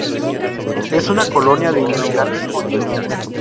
Es una colonia de inmigrantes judíos.